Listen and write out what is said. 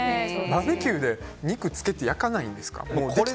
バーベキューで肉、焼かないんですか？